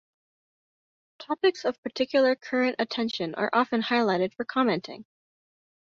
Topics of particular current attention are often highlighted for commenting.